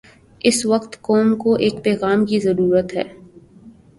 اس وقت قوم کو ایک پیغام کی ضرورت ہے۔